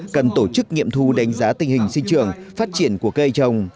cần tổ chức nghiệm thu đánh giá tình hình sinh trường phát triển của cây trồng